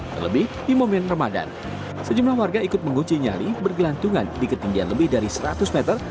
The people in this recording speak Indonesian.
terlebih di momen ramadan sejumlah warga ikut menguci nyali bergelantungan di ketinggian lebih dari seratus meter